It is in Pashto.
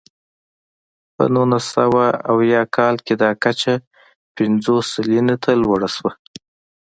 په نولس سوه اویا کال کې دا کچه پنځوس سلنې ته لوړه شوه.